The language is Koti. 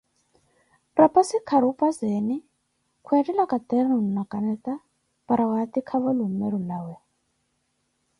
Rapassi kharupazeni khweethela caternu na kaneta para watikavo lummeru lawe.